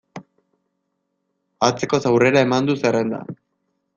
Atzekoz aurrera eman du zerrenda.